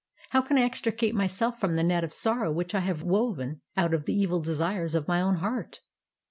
How can I extricate myself from the net of sorrow which I have woven out of the evil desires of my own heart?